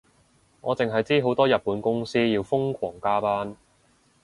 我淨係知好多日本公司要瘋狂加班